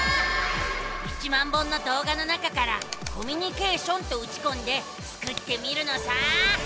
１０，０００本のどう画の中から「コミュニケーション」とうちこんでスクってみるのさ！